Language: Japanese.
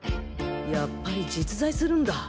やっぱり実在するんだ。